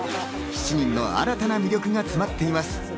７人の新たな魅力が詰まっています。